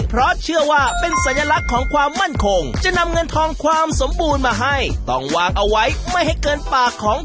เพราะเชื่อว่าเป็นสัญลักษณ์ของความมั่นคง